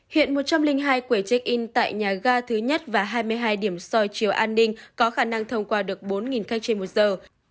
hiện một trăm linh hai quầy check in tại nhà ga thứ nhất và hai mươi hai điểm soi chiếu an ninh có khả năng thông qua được bốn khách trên một giờ